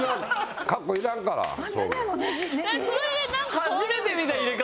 初めて見た入れ方！